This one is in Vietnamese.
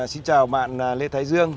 xin chào bạn lê thái dương